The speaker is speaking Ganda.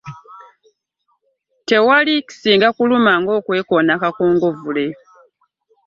Tewali kisinga kuluma ng'okwekoona akakongovule.